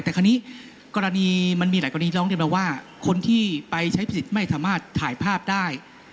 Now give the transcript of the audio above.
แต่คราวนี้กรณีมันมีหลายกรณีร้องเรียนมาว่าคนที่ไปใช้สิทธิ์ไม่สามารถถ่ายภาพได้